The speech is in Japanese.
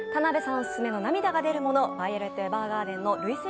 オススメの涙が出るもの、「ヴァイオレット・エヴァーガーデン」の涙腺